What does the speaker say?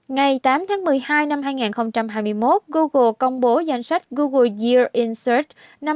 ngày tám tháng một mươi hai năm hai nghìn hai mươi một google công bố danh sách google year insert năm hai nghìn hai mươi một